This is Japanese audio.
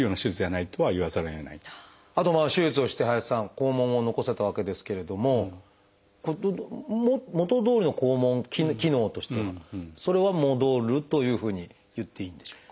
あと手術をして林さん肛門を残せたわけですけれども元どおりの肛門機能としてはそれは戻るというふうに言っていいんでしょうか？